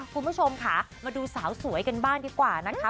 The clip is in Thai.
คุณผู้ชมค่ะมาดูสาวสวยกันบ้างดีกว่านะคะ